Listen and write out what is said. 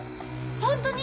本当に？